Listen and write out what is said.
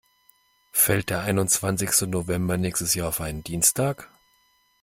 Fällt der einundzwanzigste November nächstes Jahr auf einen Dienstag?